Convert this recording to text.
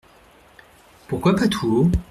Pourquoi pas tout haut ?